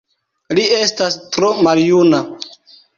Li estas tro maljuna.